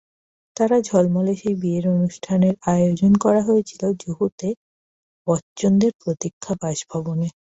তারা ঝলমলে সেই বিয়ের অনুষ্ঠানের আয়োজন করা হয়েছিল জুহুতে বচ্চনদের প্রতীক্ষা বাসভবনে।